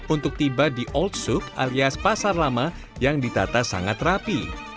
untuk tiba di old suke alias pasar lama yang ditata sangat rapi